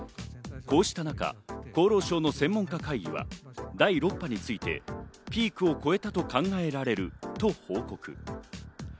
こうした中、厚労省の専門家会議は第６波について、ピークを越えたと考えられると報告。